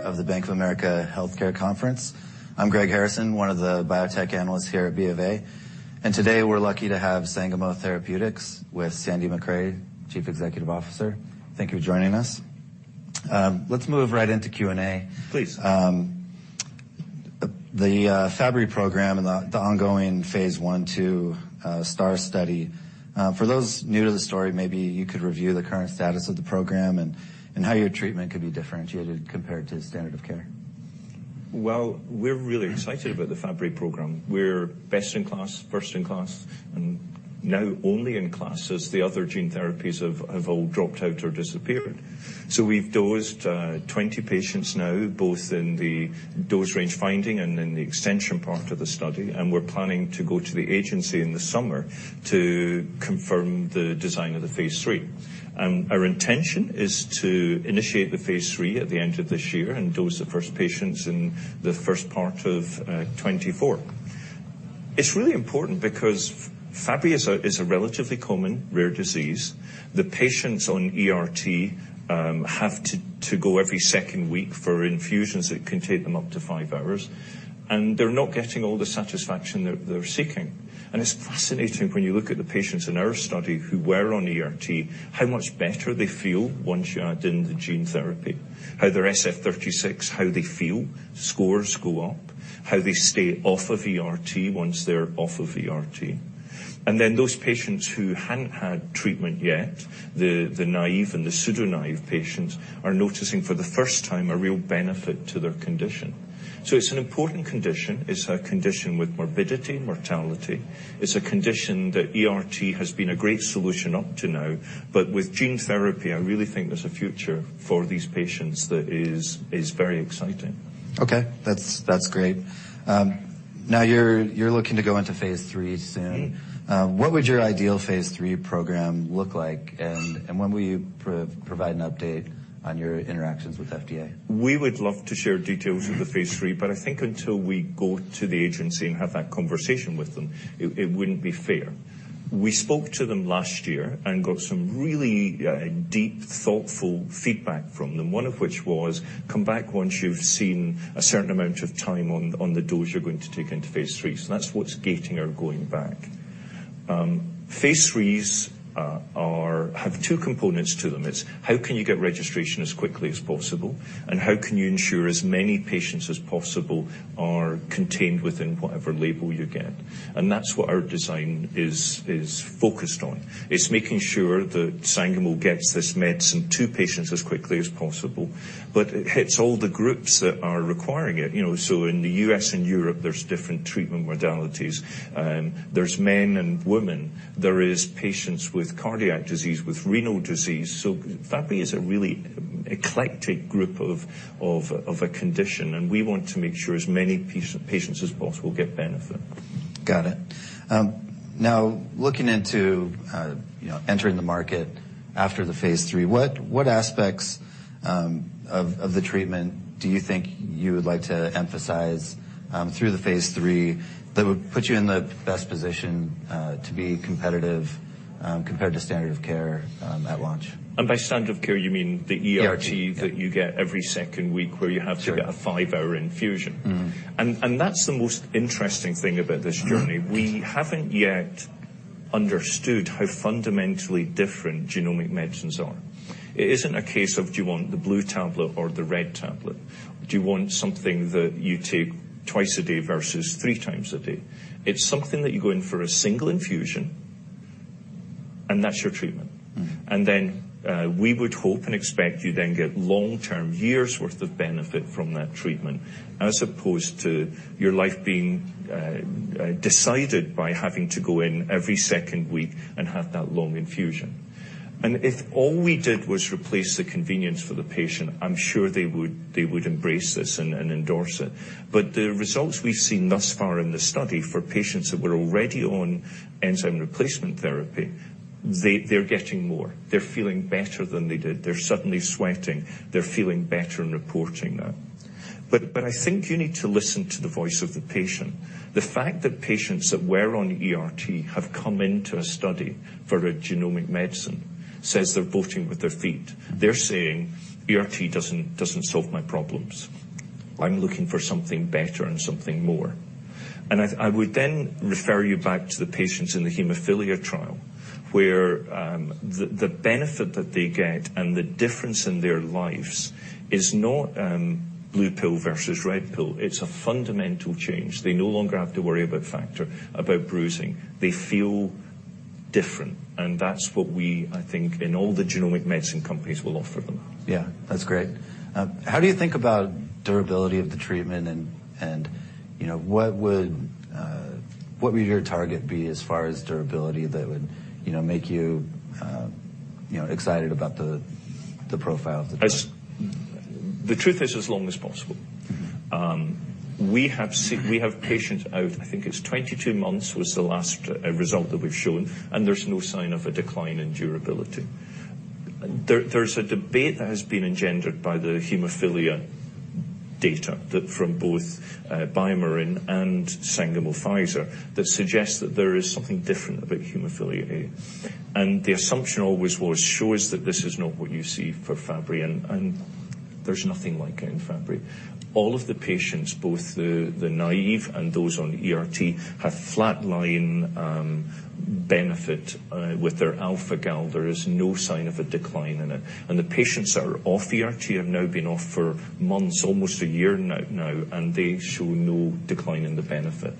... one of the Bank of America Healthcare Conference. I'm Greg Harrison, one of the biotech analysts here at B of A. Today, we're lucky to have Sangamo Therapeutics with Sandy Macrae, Chief Executive Officer. Thank you for joining us. Let's move right into Q&A. Please. The Fabry program and the ongoing phase 1 to STAAR study. For those new to the story, maybe you could review the current status of the program and how your treatment could be differentiated compared to the standard of care. Well, we're really excited about the Fabry program. We're best in class, first in class, and now only in class as the other gene therapies have all dropped out or disappeared. We've dosed 20 patients now, both in the dose range finding and in the extension part of the study, and we're planning to go to the agency in the summer to confirm the design of the phase three. Our intention is to initiate the phase three at the end of this year and dose the first patients in the first part of 2024. It's really important because Fabry is a relatively common, rare disease. The patients on ERT have to go every second week for infusions that can take them up to five hours, and they're not getting all the satisfaction they're seeking. It's fascinating when you look at the patients in our study who were on ERT, how much better they feel once you add in the gene therapy, how their SF-36, how they feel scores go up, how they stay off of ERT once they're off of ERT. Then those patients who hadn't had treatment yet, the naive and the pseudo-naive patients, are noticing for the first time a real benefit to their condition. It's an important condition. It's a condition with morbidity, mortality. It's a condition that ERT has been a great solution up to now. With gene therapy, I really think there's a future for these patients that is very exciting. Okay. That's great. Now you're looking to go into phase three soon. Yes. What would your ideal phase 3 program look like? When will you provide an update on your interactions with FDA? We would love to share details of the phase 3, I think until we go to the agency and have that conversation with them, it wouldn't be fair. We spoke to them last year got some really deep, thoughtful feedback from them, one of which was, "Come back once you've seen a certain amount of time on the dose you're going to take into phase 3." That's what's gating our going back. Phase 3s have two components to them. It's how can you get registration as quickly as possible, how can you ensure as many patients as possible are contained within whatever label you get. That's what our design is focused on. It's making sure that Sangamo gets this medicine to patients as quickly as possible, it hits all the groups that are requiring it. You know, in the U.S. and Europe, there's different treatment modalities. There's men and women. There is patients with cardiac disease, with renal disease. Fabry is a really eclectic group of a condition. We want to make sure as many patients as possible get benefit. Got it. now looking into, you know, entering the market after the phase 3, what aspects of the treatment do you think you would like to emphasize through the phase 3 that would put you in the best position to be competitive compared to standard of care at launch? By standard of care, you mean the ERT? ERT. Yeah that you get every second week where you have Sure... to get a five-hour infusion. Mm-hmm. That's the most interesting thing about this journey. Mm-hmm. We haven't yet understood how fundamentally different genomic medicines are. It isn't a case of do you want the blue tablet or the red tablet? Do you want something that you take twice a day versus three times a day? It's something that you go in for a single infusion, and that's your treatment. Mm-hmm. We would hope and expect you then get long-term, years' worth of benefit from that treatment, as opposed to your life being decided by having to go in every 2nd week and have that long infusion. If all we did was replace the convenience for the patient, I'm sure they would embrace this and endorse it. The results we've seen thus far in the study for patients that were already on enzyme replacement therapy, they're getting more. They're feeling better than they did. They're suddenly sweating. They're feeling better and reporting that. I think you need to listen to the voice of the patient. The fact that patients that were on ERT have come into a study for a genomic medicine says they're voting with their feet. They're saying, "ERT doesn't solve my problems. I'm looking for something better and something more." I would then refer you back to the patients in the hemophilia trial, where the benefit that they get and the difference in their lives is not blue pill versus red pill. It's a fundamental change. They no longer have to worry about factor, about bruising. They feel different, and that's what we, I think, in all the genomic medicine companies will offer them. Yeah. That's great. How do you think about durability of the treatment and, you know, what would, what would your target be as far as durability that would, you know, make you know, excited about the profile of the drug? The truth is as long as possible. We have patients out, I think it's 22 months was the last result that we've shown, and there's no sign of a decline in durability. There's a debate that has been engendered by the hemophilia data that from both BioMarin and Sangamo Pfizer that suggests that there is something different about hemophilia A. The assumption always was shows that this is not what you see for Fabry, and there's nothing like it in Fabry. All of the patients, both the naive and those on the ERT, have flatlined benefit with their alpha-Gal A. There is no sign of a decline in it. The patients that are off ERT have now been off for months, almost a year now, and they show no decline in the benefit.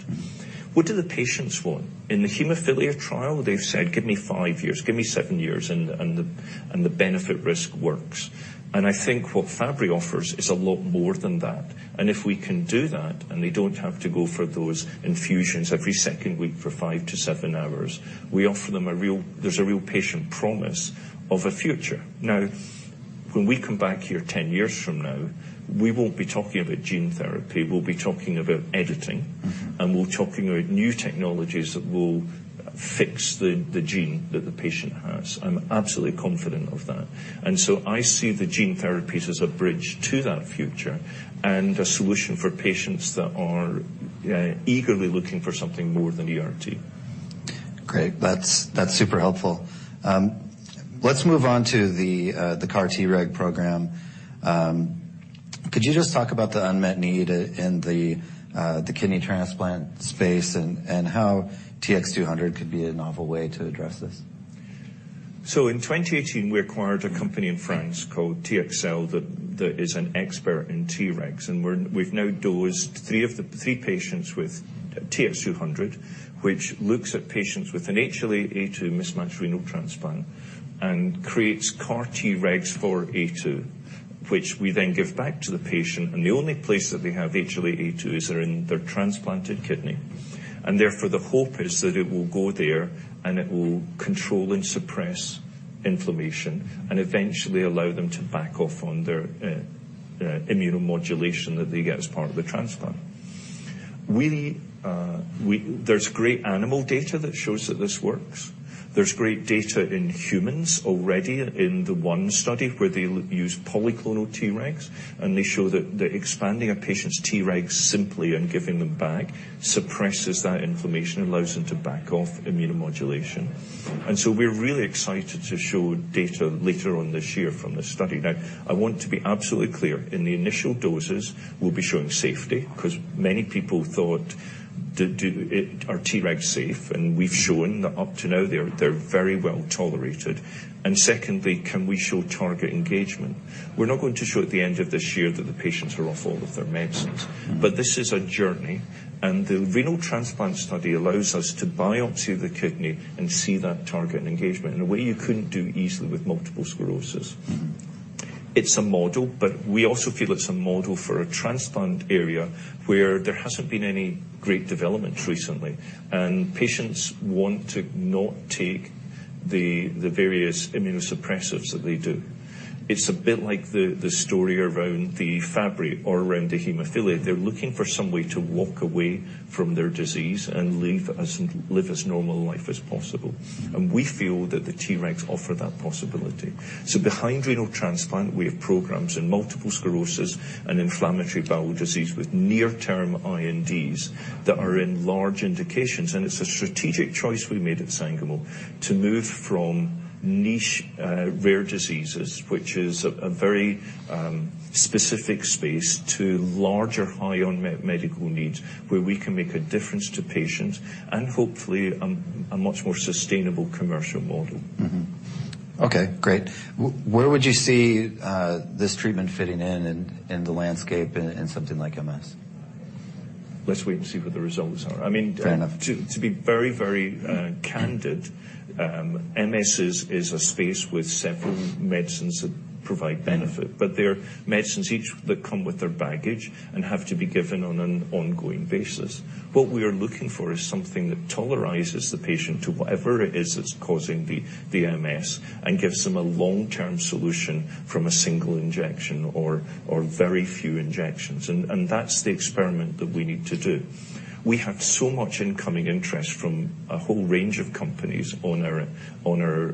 What do the patients want? In the hemophilia trial, they've said, "Give me 5 years. Give me 7 years," and the benefit risk works. I think what Fabry offers is a lot more than that. If we can do that, and they don't have to go for those infusions every second week for 5 to 7 hours, we offer them a real patient promise of a future. Now, when we come back here 10 years from now, we won't be talking about gene therapy. We'll be talking about editing. Mm-hmm. We're talking about new technologies that will fix the gene that the patient has. I'm absolutely confident of that. I see the gene therapies as a bridge to that future and a solution for patients that are eagerly looking for something more than ERT. Great. That's super helpful. Let's move on to the CAR Treg program. Could you just talk about the unmet need in the kidney transplant space and how TX200 could be a novel way to address this? In 2018 we acquired a company in France called TxCell that is an expert in Tregs. We've now dosed 3 of the 3 patients with TX200, which looks at patients with an HLA-A2 mismatched renal transplant and creates CAR-Tregs for A2, which we then give back to the patient. The only place that they have HLA-A2 is in their transplanted kidney. The hope is that it will go there, and it will control and suppress inflammation and eventually allow them to back off on their immunomodulation that they get as part of the transplant. There's great animal data that shows that this works. There's great data in humans already in the one study where they use polyclonal Tregs, and they show that expanding a patient's Tregs simply and giving them back suppresses that inflammation and allows them to back off immunomodulation. We're really excited to show data later on this year from this study. Now, I want to be absolutely clear. In the initial doses, we'll be showing safety because many people thought are Tregs safe, and we've shown that up to now they're very well tolerated. Secondly, can we show target engagement? We're not going to show at the end of this year that the patients are off all of their medicines. This is a journey, and the renal transplant study allows us to biopsy the kidney and see that target engagement in a way you couldn't do easily with multiple sclerosis. Mm-hmm. It's a model, but we also feel it's a model for a transplant area where there hasn't been any great development recently. Patients want to not take the various immunosuppressants that they do. It's a bit like the story around the Fabry or around the hemophilia. They're looking for some way to walk away from their disease and live as normal life as possible. We feel that the Tregs offer that possibility. Behind renal transplant, we have programs in multiple sclerosis and inflammatory bowel disease with near-term INDs that are in large indications. It's a strategic choice we made at Sangamo to move from niche rare diseases, which is a very specific space, to larger high on medical needs where we can make a difference to patients and hopefully a much more sustainable commercial model. Mm-hmm. Okay. Great. Where would you see this treatment fitting in the landscape in something like MS? Let's wait and see what the results are. I mean... Fair enough. ...to be very candid, MS is a space with several medicines that provide benefit. Mm-hmm. They're medicines each that come with their baggage and have to be given on an ongoing basis. What we are looking for is something that tolerizes the patient to whatever it is that's causing the MS and gives them a long-term solution from a single injection or very few injections. That's the experiment that we need to do. We have so much incoming interest from a whole range of companies on our, on our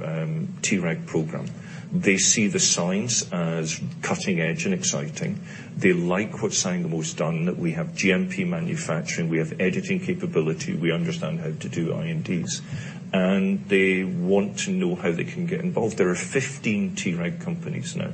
Treg program. They see the science as cutting edge and exciting. They like what Sangamo's done, that we have GMP manufacturing, we have editing capability, we understand how to do INDs, and they want to know how they can get involved. There are 15 Treg companies now,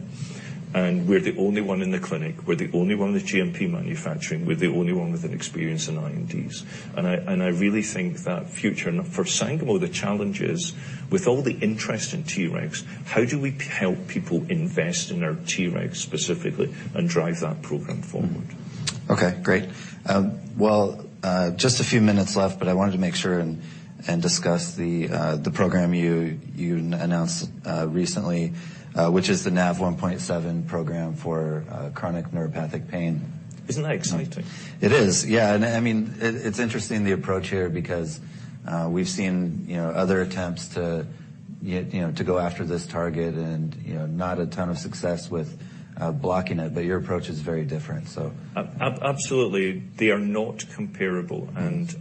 and we're the only one in the clinic. We're the only one with GMP manufacturing. We're the only one with an experience in INDs. I really think that future. For Sangamo, the challenge is, with all the interest in Tregs, how do we help people invest in our Tregs specifically and drive that program forward? Okay. Great. Well, just a few minutes left, I wanted to make sure and discuss the program you announced recently, which is the Nav1.7 program for chronic neuropathic pain. Isn't that exciting? It is. Yeah. I mean, it's interesting the approach here because, we've seen, you know, other attempts to go after this target and, you know, not a ton of success with blocking it. Your approach is very different. Absolutely. They are not comparable. Yes.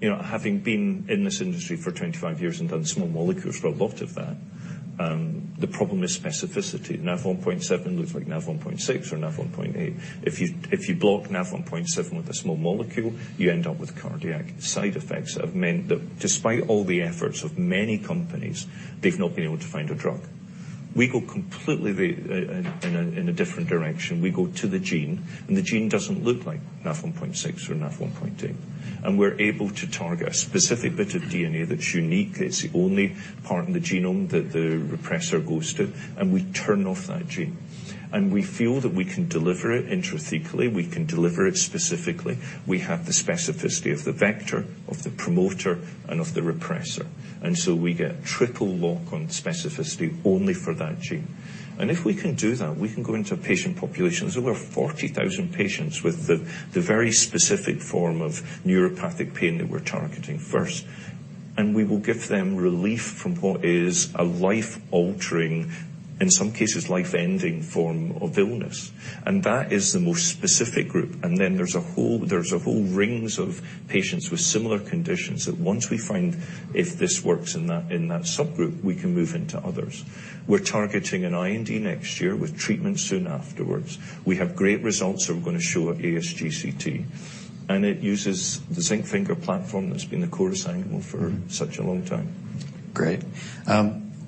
You know, having been in this industry for 25 years and done small molecules for a lot of that, the problem is specificity. Nav1.7 looks like Nav1.6 or Nav1.8. If you, if you block Nav1.7 with a small molecule, you end up with cardiac side effects that have meant that despite all the efforts of many companies, they've not been able to find a drug. We go completely in a different direction. We go to the gene, and the gene doesn't look like Nav1.6 or Nav1.8. We're able to target a specific bit of DNA that's unique. It's the only part in the genome that the repressor goes to, and we turn off that gene. We feel that we can deliver it intrathecally. We can deliver it specifically. We have the specificity of the vector, of the promoter, and of the repressor. We get triple lock on specificity only for that gene. If we can do that, we can go into patient populations. There were 40,000 patients with the very specific form of neuropathic pain that we're targeting first. We will give them relief from what is a life-altering, in some cases, life-ending form of illness. That is the most specific group. There's a whole rings of patients with similar conditions that once we find if this works in that subgroup, we can move into others. We're targeting an IND next year with treatment soon afterwards. We have great results that we're gonna show at ASGCT, and it uses the zinc finger platform that's been the core Sangamo for such a long time. Great.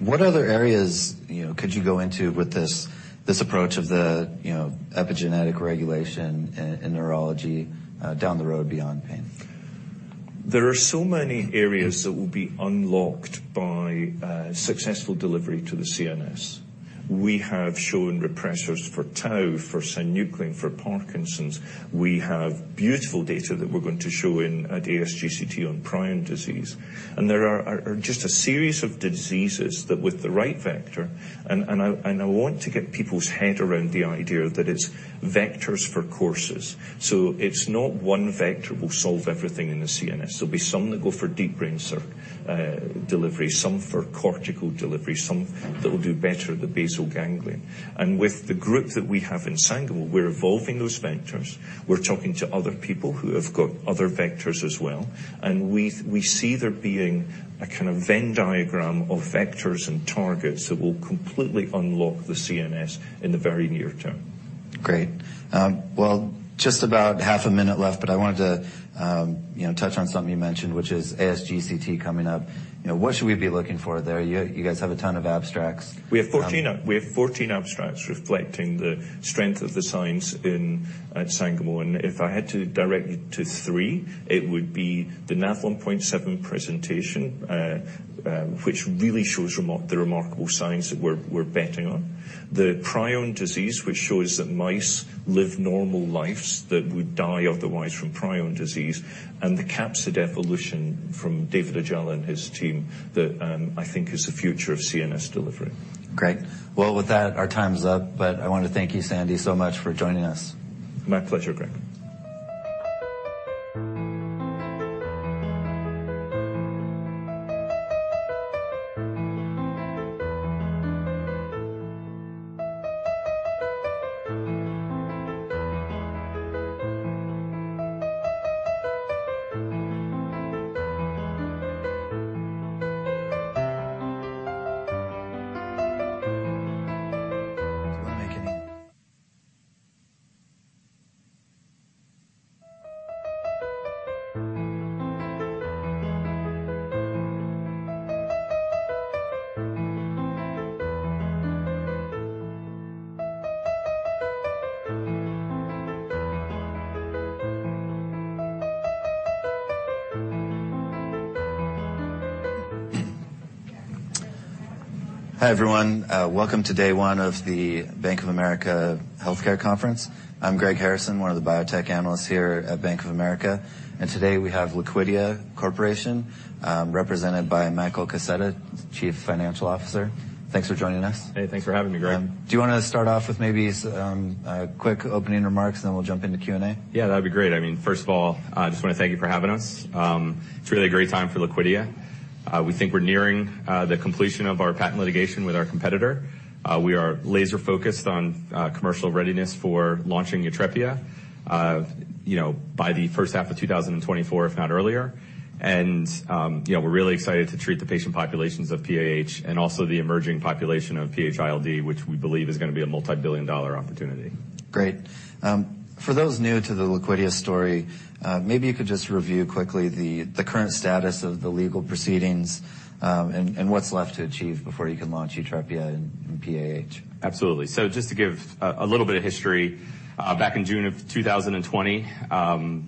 What other areas, you know, could you go into with this approach of the, you know, epigenetic regulation in neurology, down the road beyond pain? There are so many areas that will be unlocked by successful delivery to the CNS. We have shown repressors for tau, for alpha-synuclein, for Parkinson's. We have beautiful data that we're going to show at ASGCT on prion disease. There are just a series of diseases that with the right vector... I want to get people's head around the idea that it's vectors for courses. It's not one vector will solve everything in the CNS. There'll be some that go for deep brain delivery, some for cortical delivery, some that will do better at the basal ganglia. With the group that we have in Sangamo, we're evolving those vectors. We're talking to other people who have got other vectors as well. We see there being a kind of Venn diagram of vectors and targets that will completely unlock the CNS in the very near term. Great. Well, just about half a minute left, but I wanted to, you know, touch on something you mentioned, which is ASGCT coming up. You guys have a ton of abstracts. We have 14 abstracts reflecting the strength of the science in, at Sangamo. If I had to direct you to 3, it would be the Nav1.7 presentation, which really shows the remarkable signs that we're betting on. The prion disease, which shows that mice live normal lives that would die otherwise from prion disease, and the capsid evolution from David Agüera and his team that I think is the future of CNS delivery. Great. Well, with that, our time's up, but I want to thank you, Sandy, so much for joining us. My pleasure, Greg. Hi, everyone. Welcome to day one of the Bank of America Healthcare Conference. I'm Greg Harrison, one of the biotech analysts here at Bank of America. Today we have Liquidia Corporation, represented by Michael Kaseta, Chief Financial Officer. Thanks for joining us. Hey, thanks for having me, Greg. Do you wanna start off with maybe quick opening remarks, and then we'll jump into Q&A? Yeah, that'd be great. I mean, first of all, I just wanna thank you for having us. It's really a great time for Liquidia. We think we're nearing the completion of our patent litigation with our competitor. We are laser focused on commercial readiness for launching YUTREPIA, you know, by the first half of 2024, if not earlier. You know, we're really excited to treat the patient populations of PAH and also the emerging population of PH-ILD, which we believe is gonna be a multibillion-dollar opportunity. Great. For those new to the Liquidia story, maybe you could just review quickly the current status of the legal proceedings, and what's left to achieve before you can launch YUTREPIA in PAH? Absolutely. Just to give a little bit of history, back in June of 2020,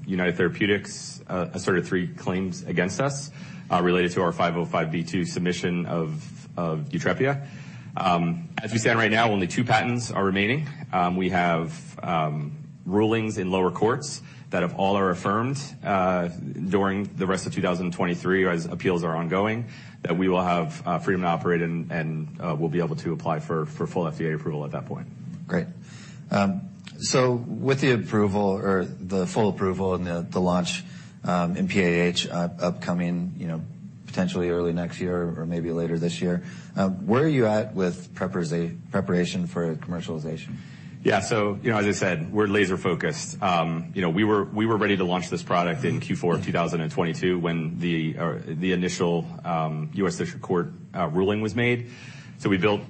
United Therapeutics asserted three claims against us related to our 505(b)(2) submission of YUTREPIA. As we stand right now, only two patents are remaining. We have rulings in lower courts that if all are affirmed during the rest of 2023 as appeals are ongoing, that we will have freedom to operate and we'll be able to apply for full FDA approval at that point. Great. With the approval or the full approval and the launch in PAH upcoming, you know, potentially early next year or maybe later this year, where are you at with preparation for commercialization? Yeah. you know, as I said, we're laser-focused. you know, we were ready to launch this product in Q4 of 2022 when the initial U.S. District Court ruling was made. We built,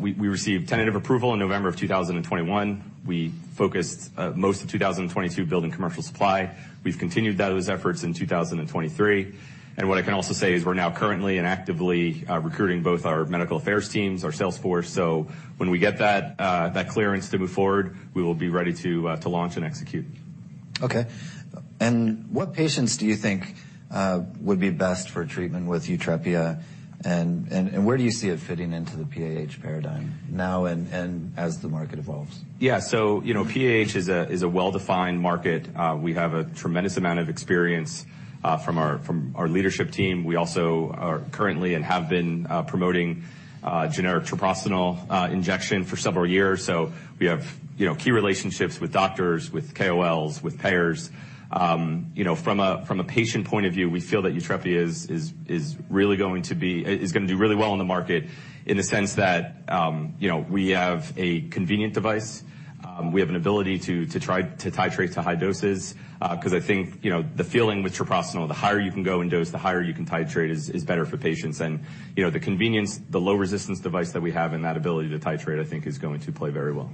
we received tentative approval in November of 2021. We focused most of 2022 building commercial supply. We've continued those efforts in 2023. What I can also say is we're now currently and actively recruiting both our medical affairs teams, our sales force. When we get that clearance to move forward, we will be ready to launch and execute. Okay. What patients do you think would be best for treatment with YUTREPIA? Where do you see it fitting into the PAH paradigm now and as the market evolves? You know, PAH is a well-defined market. We have a tremendous amount of experience from our leadership team. We also are currently and have been promoting generic treprostinil injection for several years. We have, you know, key relationships with doctors, with KOLs, with payers. You know, from a patient point of view, we feel that YUTREPIA is gonna do really well in the market in the sense that, you know, we have a convenient device. We have an ability to try to titrate to high doses, because I think, you know, the feeling with treprostinil, the higher you can go in dose, the higher you can titrate is better for patients. You know, the convenience, the low resistance device that we have and that ability to titrate, I think is going to play very well.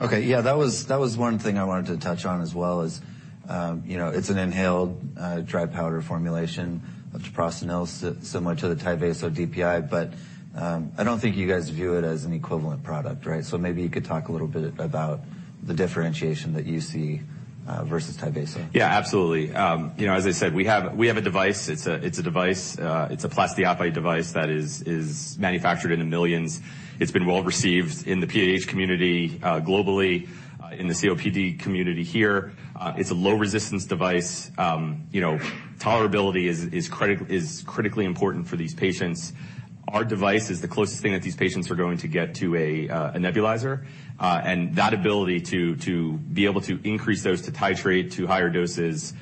Okay. Yeah, that was, that was one thing I wanted to touch on as well is, you know, it's an inhaled dry powder formulation of treprostinil similar to the TYVASO DPI. I don't think you guys view it as an equivalent product, right? Maybe you could talk a little bit about the differentiation that you see versus TYVASO. Yeah, absolutely. you know, as I said, we have a device. It's a device, it's a plasti-appli device that is manufactured in the millions. It's been well received in the PAH community, globally, in the COPD community here. It's a low resistance device. you know, tolerability is critically important for these patients. Our device is the closest thing that these patients are going to get to a nebulizer. That ability to be able to increase those, to titrate to higher doses,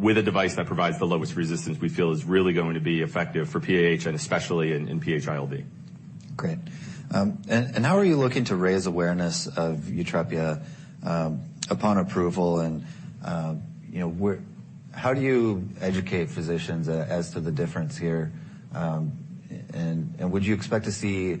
with a device that provides the lowest resistance, we feel is really going to be effective for PAH and especially in PAH-ILD. Great. And, and how are you looking to raise awareness of YUTREPIA upon approval? You know, how do you educate physicians as to the difference here? And would you expect to see, you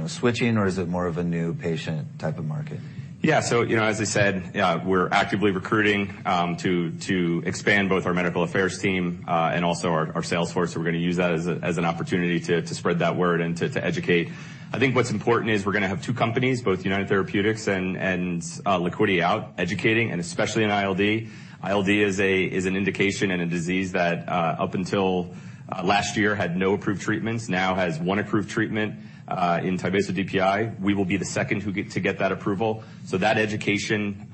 know, switching or is it more of a new patient type of market? As I said, we're actively recruiting to expand both our medical affairs team and also our sales force. We're gonna use that as an opportunity to spread that word and to educate. I think what's important is we're gonna have two companies, both United Therapeutics and Liquidia out educating, and especially in ILD. ILD is an indication and a disease that up until last year had no approved treatments, now has one approved treatment in TYVASO DPI. We will be the second who get that approval. That education,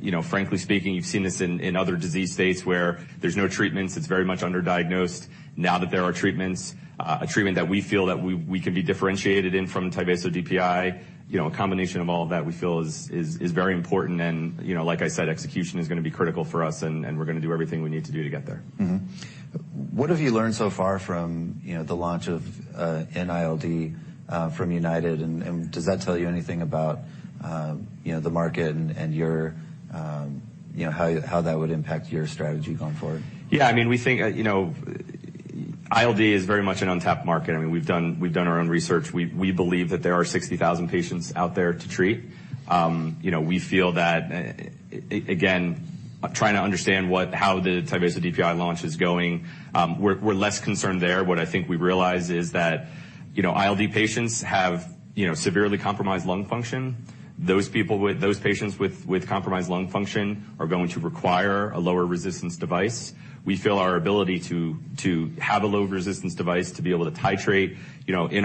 you know, frankly speaking, you've seen this in other disease states where there's no treatments, it's very much underdiagnosed. Now that there are treatments, a treatment that we feel that we can be differentiated in from TYVASO DPI. You know, a combination of all of that we feel is very important and, you know, like I said, execution is gonna be critical for us and we're gonna do everything we need to do to get there. Mm-hmm. What have you learned so far from, you know, the launch of an ILD from United? Does that tell you anything about, you know, the market and your, you know, how that would impact your strategy going forward? Yeah, I mean, we think, you know, ILD is very much an untapped market. I mean, we've done our own research. We believe that there are 60,000 patients out there to treat. You know, we feel that again, trying to understand how the TYVASO DPI launch is going, we're less concerned there. I think we realize is that, you know, ILD patients have, you know, severely compromised lung function. Those patients with compromised lung function are going to require a lower resistance device. We feel our ability to have a lower resistance device to be able to titrate, you know, in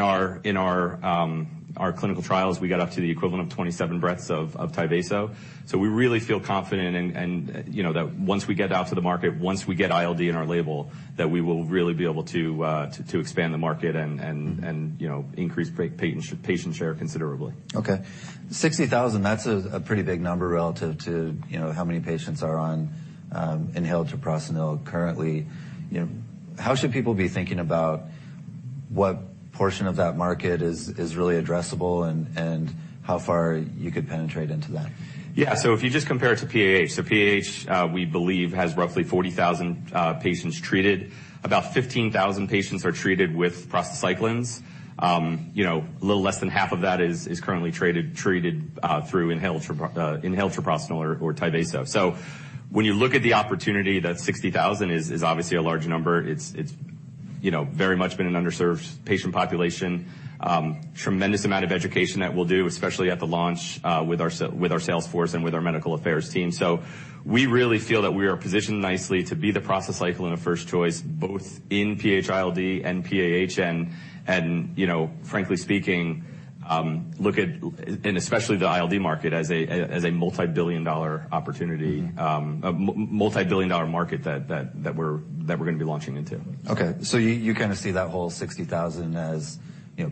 our clinical trials, we got up to the equivalent of 27 breaths of TYVASO. We really feel confident and, you know, that once we get out to the market, once we get ILD in our label, that we will really be able to expand the market and- Mm-hmm. you know, increase patient share considerably. Okay. 60,000, that's a pretty big number relative to, you know, how many patients are on, inhaled treprostinil currently. You know, how should people be thinking about what portion of that market is really addressable and how far you could penetrate into that? If you just compare it to PAH. PAH, we believe, has roughly 40,000 patients treated. About 15,000 patients are treated with prostacyclins. You know, a little less than half of that is currently treated through inhaled treprostinil or TYVASO. When you look at the opportunity, that 60,000 is obviously a large number. It's, you know, very much been an underserved patient population. Tremendous amount of education that we'll do, especially at the launch, with our sales force and with our medical affairs team. We really feel that we are positioned nicely to be the prostacyclin and a first choice, both in PAH-ILD and PAH. You know, frankly speaking, especially the ILD market as a multibillion-dollar opportunity- Mm-hmm. a multibillion dollar market that we're, that we're gonna be launching into. Okay. You kinda see that whole 60,000 as, you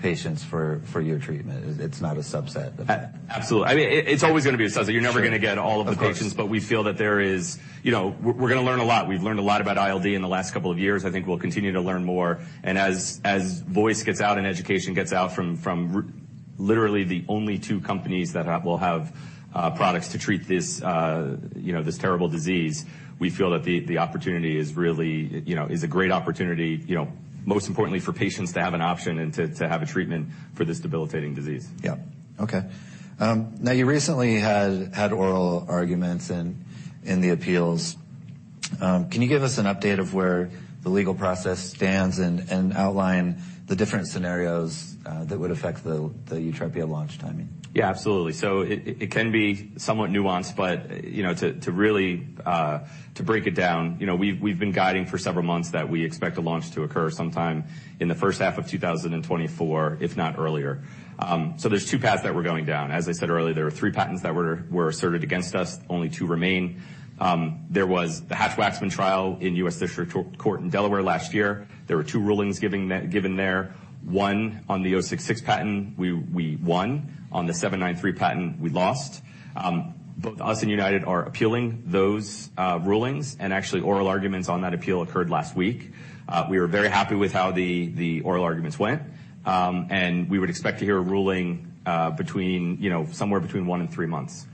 know, patients for your treatment. It's not a subset of... Absolutely. I mean, it's always gonna be a subset. Sure. You're never gonna get all of the patients. Of course. You know, we're gonna learn a lot. We've learned a lot about ILD in the last couple of years. I think we'll continue to learn more, and as voice gets out and education gets out from literally the only two companies that will have products to treat this, you know, this terrible disease, we feel that the opportunity is really, you know, is a great opportunity, you know, most importantly for patients to have an option and to have a treatment for this debilitating disease. Yeah. Okay. Now you recently had oral arguments in the appeals. Can you give us an update of where the legal process stands and outline the different scenarios that would affect the YUTREPIA launch timing? Absolutely. It can be somewhat nuanced, but, you know, to really break it down, you know, we've been guiding for several months that we expect a launch to occur sometime in the first half of 2024, if not earlier. There's two paths that we're going down. As I said earlier, there are thretwo patents that were asserted against us, only two remain. There was the Hatch-Waxman trial in U.S. District Court in Delaware last year. There were two rulings given there. One on the '066 patent, we won. On the '793 patent, we lost. Both us and United are appealing those rulings, actually, oral arguments on that appeal occurred last week. We were very happy with how the oral arguments went. We would expect to hear a ruling, between, you know, somewhere between one and three months.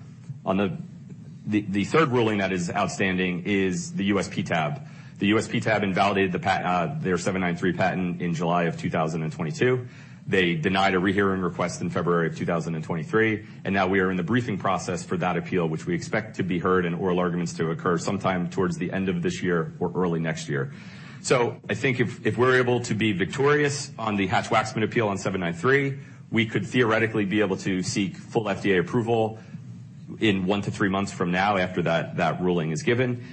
The third ruling that is outstanding is the PTAB. The PTAB invalidated their '793 patent in July 2022. They denied a rehearing request in February 2023, now we are in the briefing process for that appeal, which we expect to be heard and oral arguments to occur sometime towards the end of this year or early next year. I think if we're able to be victorious on the Hatch-Waxman appeal on '793, we could theoretically be able to seek full FDA approval in one to three months from now after that ruling is given.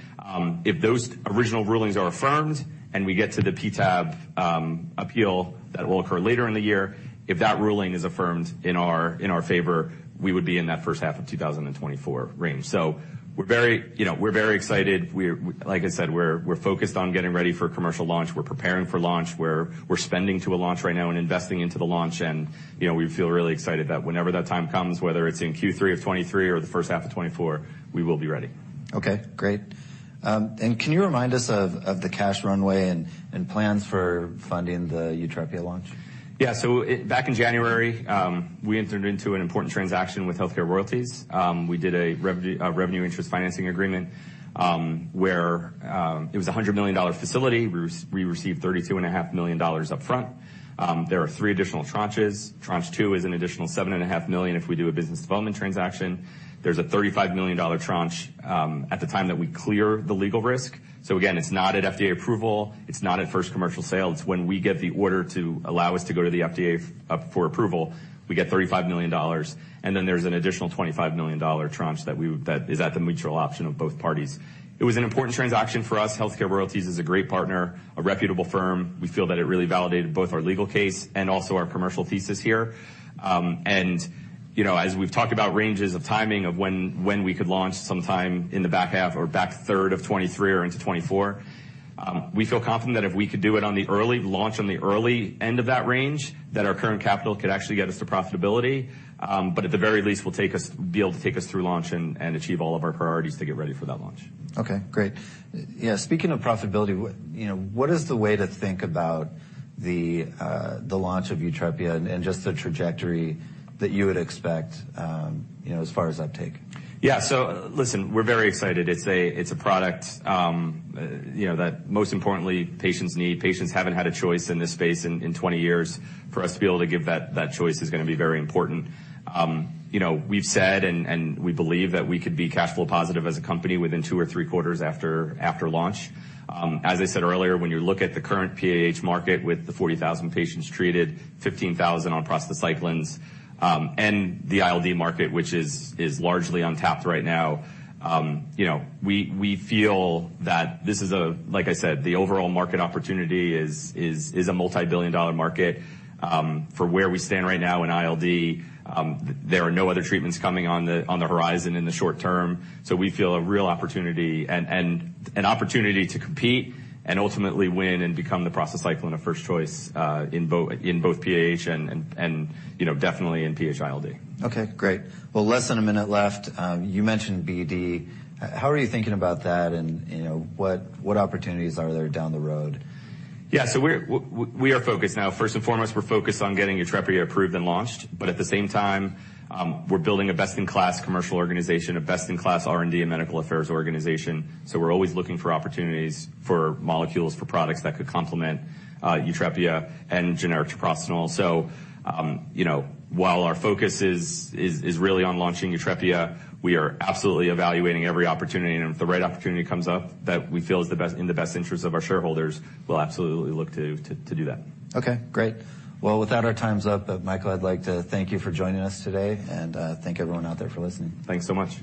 If those original rulings are affirmed and we get to the PTAB appeal that will occur later in the year, if that ruling is affirmed in our favor, we would be in that first half of 2024 range. We're very, you know, we're very excited. We're, like I said, we're focused on getting ready for commercial launch. We're preparing for launch. We're spending to a launch right now and investing into the launch, and, you know, we feel really excited that whenever that time comes, whether it's in Q3 of '23 or the first half of '24, we will be ready. Okay. Great. Can you remind us of the cash runway and plans for funding the YUTREPIA launch? Back in January, we entered into an important transaction with HealthCare Royalty. We did a revenue interest financing agreement, where it was a $100 million facility. We received $32.5 million upfront. There are 3 additional tranches. Tranche two is an additional $7.5 million if we do a business development transaction. There's a $35 million tranche at the time that we clear the legal risk. Again, it's not at FDA approval, it's not at first commercial sale. It's when we get the order to allow us to go to the FDA for approval, we get $35 million, and then there's an additional $25 million tranche that is at the mutual option of both parties. It was an important transaction for us. HealthCare Royalty is a great partner, a reputable firm. We feel that it really validated both our legal case and also our commercial thesis here. You know, as we've talked about ranges of timing of when we could launch sometime in the back half or back third of 2023 or into 2024, we feel confident that if we could do it on the early end of that range, that our current capital could actually get us to profitability. At the very least will be able to take us through launch and achieve all of our priorities to get ready for that launch. Okay. Great. Speaking of profitability, what, you know, what is the way to think about the launch of YUTREPIA and just the trajectory that you would expect, you know, as far as uptake? Listen, we're very excited. It's a product, you know, that most importantly, patients need. Patients haven't had a choice in this space in 20 years. For us to be able to give that choice is gonna be very important. You know, we've said and we believe that we could be cash flow positive as a company within two or three quarters after launch. As I said earlier, when you look at the current PAH market with the 40,000 patients treated, 15,000 on prostacyclins, and the ILD market, which is largely untapped right now, you know, we feel that, like I said, the overall market opportunity is a multibillion-dollar market. For where we stand right now in ILD, there are no other treatments coming on the horizon in the short term. We feel a real opportunity and an opportunity to compete and ultimately win and become the prostacyclin of first choice in both PAH and, you know, definitely in PAH-ILD. Okay, great. Well, less than a minute left. You mentioned BD. How are you thinking about that and, you know, what opportunities are there down the road? We're focused now. First and foremost, we're focused on getting YUTREPIA approved and launched. At the same time, we're building a best-in-class commercial organization, a best-in-class R&D and medical affairs organization. We're always looking for opportunities for molecules, for products that could complement YUTREPIA and generic treprostinil. You know, while our focus is really on launching YUTREPIA, we are absolutely evaluating every opportunity, and if the right opportunity comes up that we feel is in the best interest of our shareholders, we'll absolutely look to do that. Okay, great. Well, with that our time's up. Michael, I'd like to thank you for joining us today, and thank everyone out there for listening. Thanks so much.